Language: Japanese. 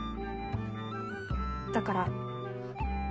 だから。